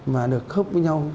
mà được khớp với nhau